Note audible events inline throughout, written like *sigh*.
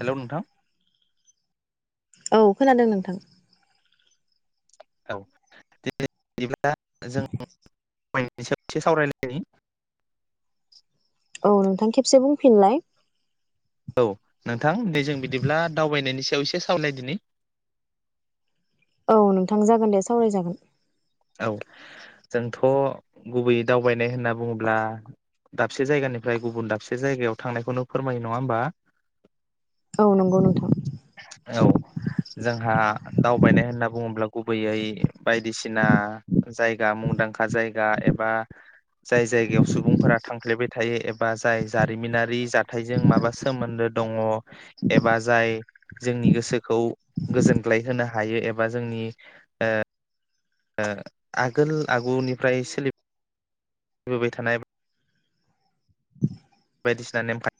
Hello नोंथां औ खोनादों नोंथां औै *unintelligible* सावरायलायनि औ नोंथां खेबसे बुंफिनलाय। औ नोंथां दि जों बिदिब्ला दावबायनायनि सायाव इसे सावलायदिनि। औ नोंथां जागोन दे सावरायजागोन। औ जोंथ गुबैयै दावबायनाय होनना बुङोब्ला दाबसे जायगानिफ्राय गुबुन दाबसे जायगायाव थांनायखौनो फोरमायो नङा ओमबा? औ नंगौ नोंथां। औ जोंहा दावबायनाय होनना बुङोब्ला गुबैयै बायदिसिना जायगा मुंदांखा जायगा एबा जाय जायगायाव सुबुंफोरा थांफ्लेबाय थायो एबा जाय जारिमिनारि जाथायजों माबा सोमोन्दो दङ एबा जाय जोंनि गोसोखौ गोजोनग्लाय होनो हायो एबा जोंनि ओ ओ आगोल आगुनिफ्राय सोलि बोबाय थानाय बायदिसिना नेमखा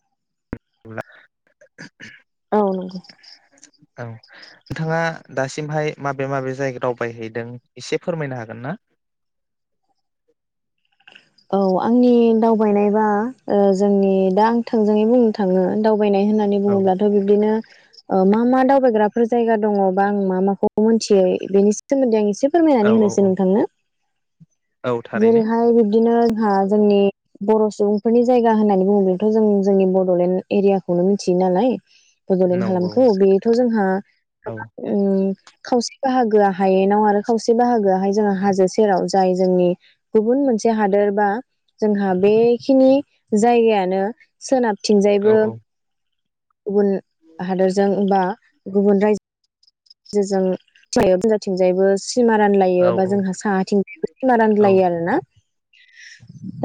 *unintelligible* औ नंगौ औ नोंथाङा दासिमहाय माबे माबे जायगा दावबायहैदों एसे फोरमायनो हागोन ना औ आंनि दावबायनायबा ओ जोंनि दा आं थोंजोङै बुंनो थाङो दाव दावबायनाय होननानै औ बुङोब्लाथ' बिब्दिनो ओ मा मा दावबायग्राफोर जायगा दङ बा आं मा माखौ मोनथियो बेनि सोमोन्दै आं एसे से औ फोरमायनानै औ होनोसै औ नोंथांनो औ थारैनो जेरैहाय बि नो जोंहा जोंनि बर' सुबुंफोरनि जायगा होननानै बुंङो। दा जों जोंनि बडलेण्ड एरियाखौनो मिथियो नालाय बडलेण्ड नंगौ हालामखौ बेयोथ' जोंहा औ गोबां उम खावसे बाहागोआ हायेनाव आरो खावसे बाहागोआहाय जोङो हाजो सेराव जाय जोंनि गुबुन मोनसे हादोर बा जोंहा बेखिनि जायगायानो सोनाब औ थिंजायबो औ गुबुन हादोरजों बा गुबुन रायजो जों *inaudible* थिंजायबो सिमा औ रानलायो बा औ जोंहा साहाथिं *inaudible* सिमा औ रानलायो आरो ना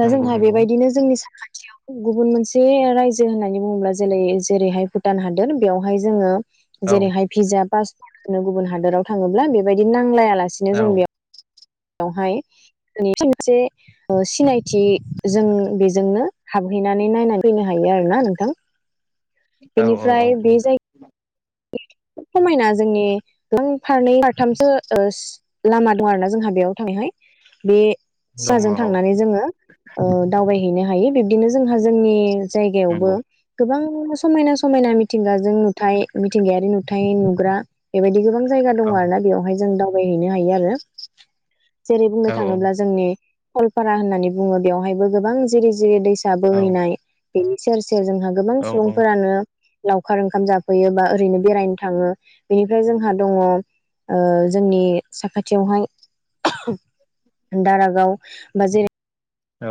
दा नंगौ जोंहा नंगौ बेबायदिनो जोंनि साखाथियाव गुबुन मोनसे रायजो होननानै बुङोब्ला जेलै जेरैहाय भुटान हादोर बेयावहाय जोङो औ जेरैहाय भिजा पास नो गुबुन हादराव थाङोब्ला बेबायदि नांलाया लासिनो औ जों बेयाव बेवहाय *unintelligible* ओ सिनायथि जों बेजोंनो हाबहैनानै नायनानै फैनो हायो आरो ना नोंथां औ औ औ औ खोब समायना जोंनि *unintelligible* फारनै फारथामसो ओ सो लामा दं आरो ना जोंहा बेयाव थांनाय बे दङ सिराजों औ थांनानै जोङो ओ दावबाय नो हायो बिबदिनो जोंहा जोंनि जायगायावबो नंगौ गोबां *unintelligible* समायना समायना मिथिंगाजों नु थाय मिथिंगायारि नु थाय नुग्रा बेबायदि गोबां जायगा दङ औ आर ना बेवहाय जों दावबाय बायहैनो हायो आरो जेरै बुंनो औ औ थाङोब्ला जोंनि रलपारा होननानै बुङो बेवहायबो गोबां जिरि जिरि दै औ हिसाबोहैनाय बेनि सेर से जोंहा गोबां औ औ सुबुंफोरानो लावखार ओंखाम जाफैयो बा ओरैनो बेरायनो थाङो बेनिफ्राय जोंहा दङ जोंनि साखाथियावहाय दारागाव बा जेरै औ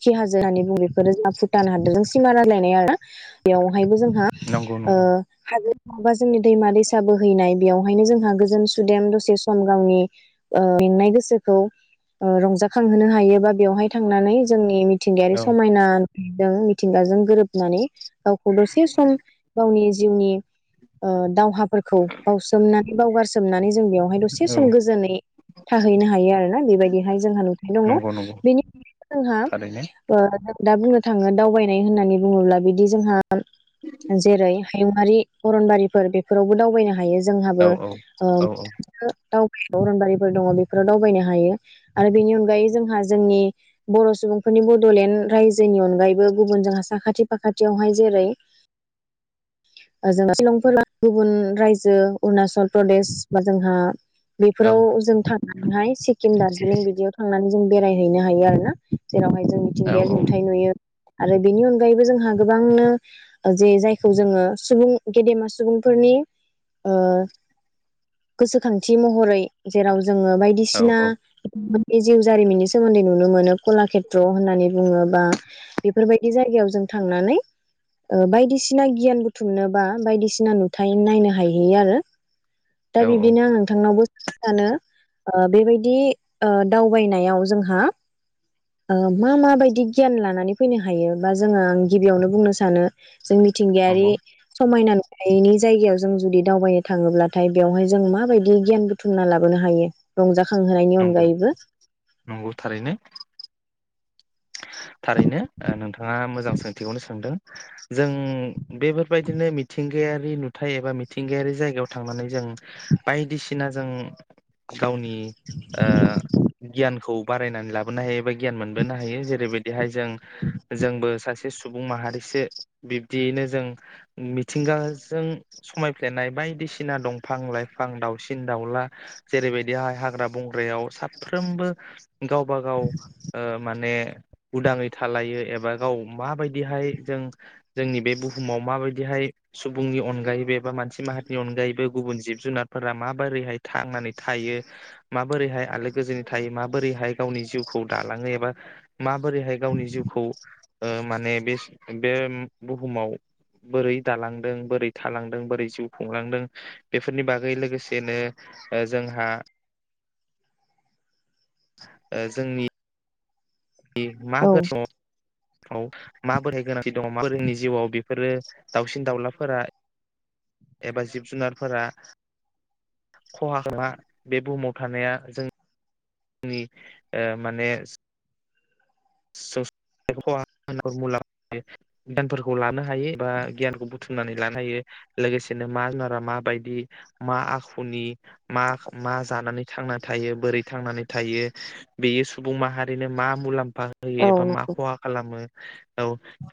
खि हाजो होननानै बु बेफोरो जोंहा भुटान हादोरजों सिमा रायज्लायनाय आरो बेयाव बेहायबो जोंहा नंगौ ओ नंगौ माबा जोंनि दैमा दैसा बोहैनाय बेवहायनो जोंहा गोजोन सुदेम दसे सम गावनि ओ मेंनाय गोसोखौ ओ रंजाखांहोनो हायो बा बेवहाय थांनानै जोंनि मिथिंगायारि औ समायना दो मिथिंगाजों गोरोबनानै गावखौ दसे सम गावनि जिउनि ओ दावहाफोरखौ बावसोमनानै बावगारसोमनानै जों बेयावहाय दसे औ सम गोजोनै थाहैनो हायो आरोना बेबायदिहाय जोंहा नुथाय दङ नंगौ नंगौ बेनि जोंहा थारैनो ओ दा बुंनो थाङो दावबायनाय होननानै बुङोब्ला बिदि जोंहा जेरै हायुङारि अरनबारिफोर बेफोरावबो दावबायनो हायो। औ जोंहाबो औ औ *unintelligible* अरनबारिफोर दङ बेफोराव दावबायनो हायो। हायो आरो बेनि अनगायै जोंहा जोंनि बर' सुबुंफोरनि बडलेण्ड रायजोनि अनगायैबो गुबुन जोंहा साखाथि फाखाथियावहाय जेरै जों शिलंफोरा गुबुन रायजो अरुणचल प्रदेश बा जोंहा औ बेफोराव जों थांनानैहाय सिक्किम दार्जिलिं बिदियाव थांनानै जों बेरायहैनो हायो आरो ना जेरावहाय जों मिथिंगायारि औ नुथाय नुयो। आरो बेनि अनगायैबो जोंहा गोबांनो जे जायखौ जोङो सुबुं गेदेमा सुबुंफोरनि ओ गोसोखांथि महरै जेराव जोंङो औ बायदिसिना बे जिउ जारिमिनि सोमोन्दै नुनो मोनो कलाषेथ्र होननानै बुङोबा बेफोरबायदि जायगायाव जों थांनानै बायदिसिना गियान बुथुमनोबा बायदिसिना नुथाय नायनो हायो आरो। दा औ नंगौ बिदिनो आं नोंथांनावबो सानो ओ बेबायदि ओ दावबायनायाव जोंहा ओ मा माबायदि गियान लानानै फैनो हायो बा जोङो आं गिबियावनो बुंनो सानो जों मिथिंगायारि समायना नि जायगायाव जों जुदि दावबायनो थाङोब्लाथाय बेयावहाय जों माबायदि गियान बुथुमना लाबोनो हायो रंजा खांहोनायनि नंगौ अनगायैबो नंगौ थारैनो थारैनो नोंथाङा मोजां सोंथिखौनो सोंदों जों बेफोरबायदिनो मिथिंगायारि नुथाय एबा मिथिंगायारि जायगायाव थांनानै जों बायदिसिना जों गावनि ओ गियानखौ बारायनानै लाबोनो हायो एबा गियान मोनबोनो हायो जेरै बेबायदिहाय जों जोंबो सासे सासे सुबुं माहारिसो बिब्दियैनो जों मिथिंगाजों समायफ्लेनाय बायदिसिना दंफां लाइफां दाउसिन दाउला जेरैबायदि आहाय हाग्रा बंग्रायाव साफ्रोमबो गावबा गाव ओ माने उदाङै थालायो एबा गाव माबायदिहाय जों जोंनि बे बुहुमाव माबायदिहाय सुबुंनि अनगायैबो एबा मानसि माहारिनि अनगायैबो गुबुन जिब जुनारफोरा माबोरैहाय थांनानै थायो माबोरैहाय आलो गोजोनै थायो माबोरैहाय गावनि जिउखौ दालांङो एबा मा बोरैहाय गावनि जिउखौ माने बे बे बुहुमाव बोरै दालांदों बोरै थालांदों बोरै जिउ खुंलांदों बेफोरनि बागै लोगोसेनो जोंहा ओ जोंनि औ *unintelligible* औ माबोरै गोनांथि दङ माबोरै जोंनि जिउआव बेफोरो दाउसिन दाउलाफोरा एबा जिब जुनारफोरा खहा खा बे बुहुमाव थानाया जों नि ओ माने मुलामियानफोरखौ लानो हाग *unintelligible* हायो बा गियानखौ बुथुमनानै लानो हायो लोगोसेनो मा जुनारा माबायदि मा आखुनि मा मा जानानै थांनानै थायो बोरै थांनानै थायो बेयो सुबुं माहारिनो मा मुलाम्फा होयो औ एबा मा खहा खालामो औ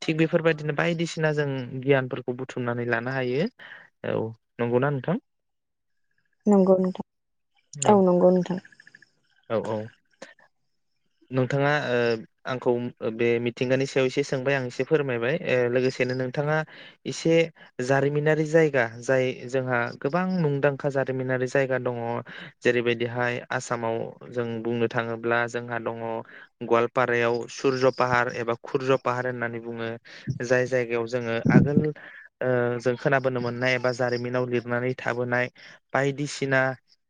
थिग बेफोरबायदिनो बायदिसिना जों गियानफोरखौ बुथुमनानै लानो हायो औ नंगौना नोंथां नंगौ नोंथां औ नंगौ नोंथां औ औ नोंथाङा ओ आंखौ ओ‌ बे मिथिंगानि सायाव एसे सोंबाय आं एसे फोरमायबाय ओ लोगोसेनो नोंथाङा इसे जारिमिनारि जायगा जाय जोंहा गोबां मुंदांखा जारिमिनारि जायगा दङ जेरैबायदिहाय आसामाव जों बुंनो थाङोब्ला जोंहा। दङ गवालपारायाव सुरज फाहार एबा खुरज फाहार होननानै बुङो जाय जायगायाव जोङो आगोल ओ जों खोनाबोनो मोननाय एबा जारिमिनाव लिरनानै थाबोनाय बायदिसिना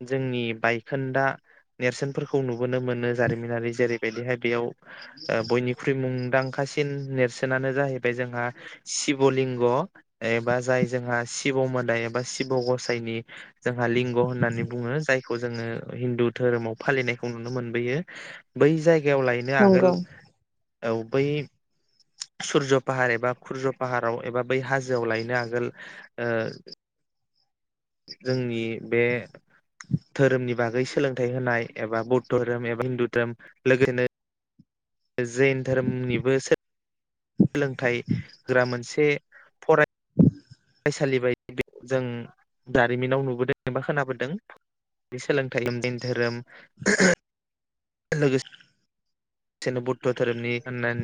जोंनि बायखोन्दा नेरसोनफोरखौ नुबोनो मोनो जारिमिनारि। जेरैबायदिहाय बेयाव ओ बयनिख्रुइ मुंदांखासिन नेरसोनानो जाहैबाय जोंहा शिब लिंग एबा जाय जोंहा शिब मोदाय एबा शिब गसाइनि। जोंहा लिंग होननानै बुङो जाय खौ जोङो हिन्दु धोरोमाव फालिनायखौ नुनो मोनबोयो। बै जायगायाव लायनो आगोल नंगौ औ बै। सुरज फाहार एबा खुरज फाहाराव एबा बै हाजोआव लायनो आगोल ओ। जोंनि बे धोरोमनि बागै सोलोंथाइ होनाय एबा बौद्ध धोरोम एबा हिन्दु धोरोम *inaudible* जैन धोरोमनिबो सो लोंथाइ होग्रा मोनसे फराय सालि बायदि जों दारिमिनाव नुबोदों एबा खोनाबोदों बे सोलोंथाइ धोरोम लोगोसे नो बुद्ध धोरोमनि होननान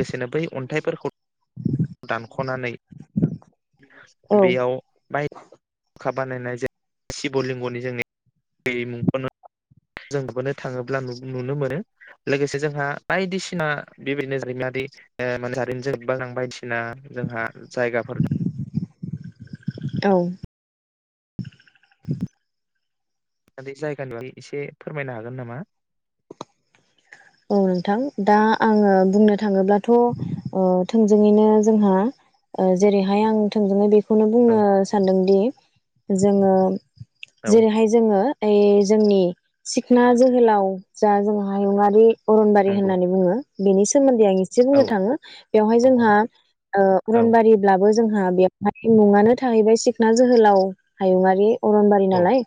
गोसेनो बै अन्थाइफोरखौ दानख'नानै औ बेयाव बाय खा बानायनाय जा शिब लिंगनि जोंनि दैै मुंखौनो जों नुबोनो थाङोब्ला नुनो मोनो लोगोसे जोंहा बायदिसिना बेबायदिनो जारिनारि ओ मा होनो जारिमिनजों *inaudible* बायदिसिना जोंहा जायगाफोर औ। दा बे जायगानि बागै एसे फोरमायनो हागोन नामा? औ नोंथां दा आङो बुंनो थाङोब्ला थ' ओ थोंजोङैनो जोंहा ओ जेरैहाय आं थोंजोङै बे खौनो बुंनो औ सान्दोंदि जोङो औ जेरैहाय जोङो हाय जोंनि सिखना जोहोलाव जा जों हायुङारि अरनबारि नंगौ होननानै बुङो। बेनि सोमोन न्दै आं इसे बुंनो औ थाङो बेयावहाय औ जोंहा ओ औ अरनबारिब्लाबो जोंहा बेयावहाय मुङानो थाहैबाय सिखना जोहोलाव हायुङारि। अरनबारि औ नालाय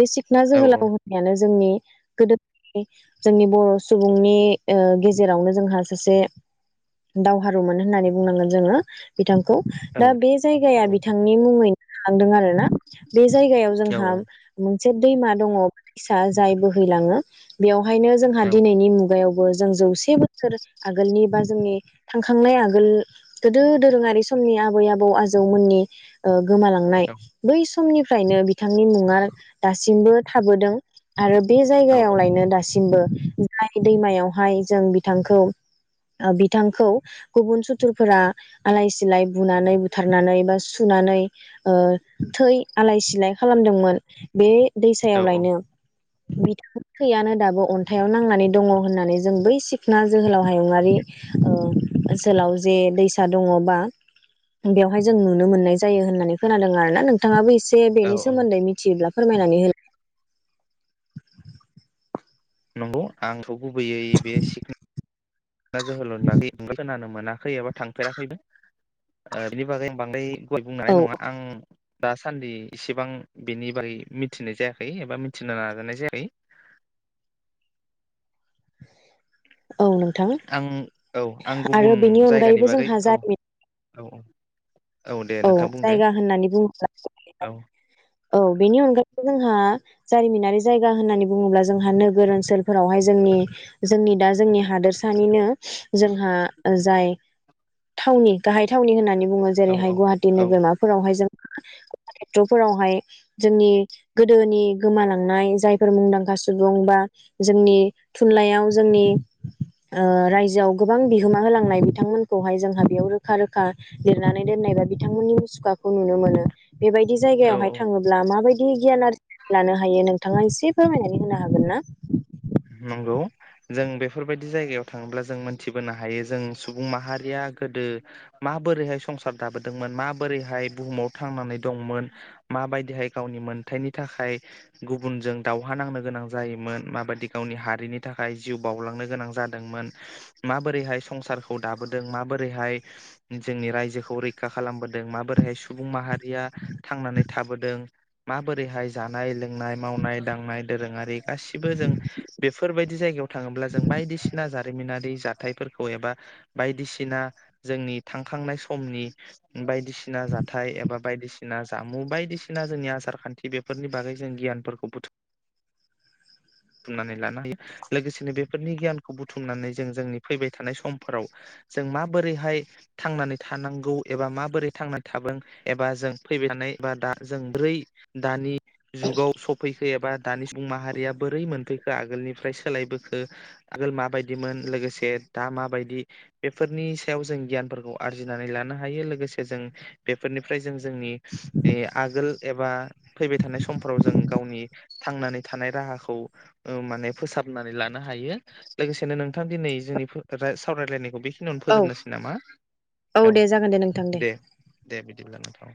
बे सिखना औ जोहोलाव होननायानो जोंनि गोदोनि जोंनि बर' सुबुंनि ओ गेजेरावनो जोंहा सासे दावहारुमोन होननानै बुंनांगोन जोङो। बिथां खौ औ दा बे जायगाया औ बिथांनि मुङै खांदों आरोना। बे जायगायाव औ जोंहा मोनसे दैमा दङ' फिसा जाय बोहैलाङो बेयावहायनो जों दिनैनि मुगायाव बो जों जौसे बोसोर आगोलनि बा जोंनि थांखांनाय आगोल गोदो दोरोङारि समनि आबै आबौ आजौमोननि ओ गोमालांनाय बै सम समनिफ्रायनो बिथांनि मुङा दासिमबो थाबोदों। आरो बे औ जायगायावलायनो दासिम सिमबो दैमायावहाय जों बिथांखौ ओ बिथांखौ गुबुन सुथुरफोरा आलाय सिलाय बुनानै बुथारनानै बा सुनानै ओ थै आलाय सिलाय खालामदोंमोन बे औ दैसायाव लायनो बिथांनि थैयानो दाबो अन्थाइयाव नांनानै दङ' होन्नानै जों बै सिखना जोहोलाव हायुङारि ओ ओनसोलाव जे दैसा दङ' बा बेयावहाय जों नुनो मोननाय जायो होननानै खोनादों आरोना नोंथाङाबो एसे जे औ बेनि औ। सोमोन्दै मिथियोब्ला फोरमायनानै होयो नंगौ आं खौ गुबैयै बे सिखनायाव ओ जोहोलाव होन्नानै खोनानो मोनाखै एबा थांफेराखैबो बिनि बागै बांद्राय गुवारै बुंनो औ हानाय नङा आं दासान्दि इसेबां बेनि बारै मिथिनाय जायाखै एबा मिथिनो नाजानाय जायाखै औ नोंथां आं औ आं गुबुन आरो बेनि जायगानि अनगायैबो बागै जोंहा औ जारिमिन औ औ दे औ नोंथां बुं दे जायगा होननानै बुङोब्ला औ औ बेनि अनगायैबो जोंहा जारिमिनारि जायगा होननानै बुङोब्ला जोंहा नोगोर ओनसोलफोरावहाय जोंनि जोंनि दा जोंनि हादोरसानिनो जोंहा जाय थावनि गाहाय थावनि होननानै बुङोे औ जेरैहाय गुवाहाटि औ नोगोरमाफोरावहाय जों एक्टर फोरावहाय जोंनि गोदोनि गोमालांनाय जायफोर मुंदांखा सुबुं बा जोंनि थुनलाइयाव जोंनि ओ रायजोआव गोबां बिहोमा होलांनाय बिथांमोनखौहाय जोंहा बेयाव रोखा रोखा लिरनानै दोननाय बा बिथांमोननि मुसुखाखौ नुनो मोनो। बेबायदि औ जायगायावहाय औ थाङोब्ला माबायदि गियान आरजि ना लानो हायो नोंथाङा एसे फोरमायनानै होनो हागोन ना? नंगौ जों बेफोरबायदि जायगायाव थाङोब्ला जों मोनथिबोनो हायो जों सुबुं माहारिया गोदो माबोरैहाय संसार दाबोदोंमोन माबोरैहाय बुहुमाव थांनानै दंमोन माबायदिहाय गावनि मोनथायाइनि थाखाय गुबुनजों दावहा नांनो गोनां जायोमोन माबादि गावनि हारिनि थाखाय जिउ बावउलांनो गोनां जादोंमोन माबोरैहाय संसारखौ दाबोदों माबोरैहाय जोंनि रायजोखौ रैखा खालामबोदों माबोरैहाय सुबुं माहारिया थांनानै थाबोदों माबोरैहाय जानाय लोंनाय मावनाय दांनाय दोरोङारि गासिबो जों बेफोरबायदि जायगायाव थाङोब्ला जों बायदिसिना जारिमिनारि जाथायफोरखौ एबा बायदिसिना जोंनि थांखांनाय समनि बाय दिसिना जाथाय एबा बायदिसिना बायदिसिना जामु बायदिसिना जोंनि आसार खान्थि बेफोरनि बागै जों गियानफोरखौ बुथु मनानै लानो हायो लोगोसेनो बेफोरनि गियानखौ बुथुमनानै जों जोंनि फैबाय थानाय समफोराव जों माबोरैहाय थांनानै थानांगौ एबा माबोरै थांनानै थागोन एबा जों फैबाय थानाय एबा दा जों बै दानि जुगाव सफैखो एबा दानि सुबुं माहारिया बोरै मोनफैखो आगोलनिफ्राय सोलायबोखो आगोल माबायदिमोन लोगोसे दा माबायदि बेफोरनि सायाव जों गियानफोरखौ आरजिनानै लानो हायो लोगोसे जों बेफोरनिफ्राय जों जोंनि आगोल एबा फैबाय थानाय समफोराव जों गावनि थांनानै थानाय राहाखौ ओ माने फोसाबनानै लानो हायो लोगोसेनो नोंथां दिनै जोंनि सावरायलायनायखौ बे थनियावनो औ फोजोबनसै नामा औ दे दे बिदिब्लालाय